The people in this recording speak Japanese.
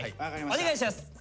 お願いします。